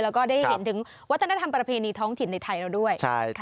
แล้วก็ได้เห็นถึงวัฒนธรรมประเพณีท้องถิ่นในไทยเราด้วย